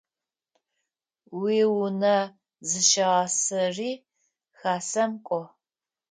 Уиунэ зыщыгъасэри Хасэм кIо.